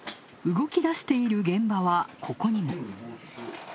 動き出している現場はここにも。